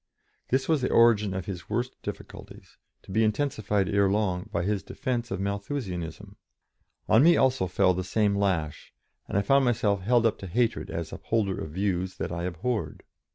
This was the origin of his worst difficulties, to be intensified, ere long, by his defence of Malthusianism. On me also fell the same lash, and I found myself held up to hatred as upholder of views that I abhorred.